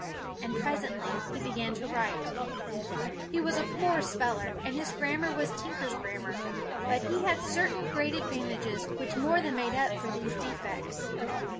And presently, he began to write. He was a poor speller, and his grammar was tinker's grammar, but he had certain great advantages which more than made up for these defects.